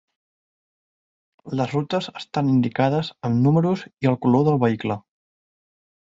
Les rutes estan indicades amb números i el color del vehicle.